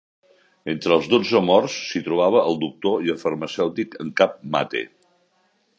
Entre els dotze morts s'hi trobava el doctor i el farmacèutic en cap Mate.